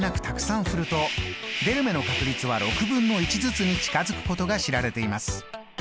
たくさん振ると出る目の確率は６分の１ずつに近づくことが知られています。